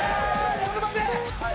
ちょっと待って！